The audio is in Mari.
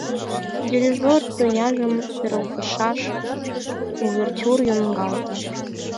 Дирижёр тояжым пералтышат, увертюр йоҥгалте.